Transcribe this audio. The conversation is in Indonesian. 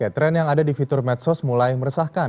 tren yang ada di fitur medsos mulai meresahkan